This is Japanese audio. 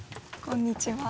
こんにちは。